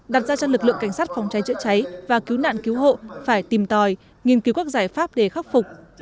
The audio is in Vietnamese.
đặt ra cho lực lượng cảnh sát phòng cháy chữa cháy và cứu nạn cứu hộ phải tìm tòi nghiên cứu các giải pháp để khắc phục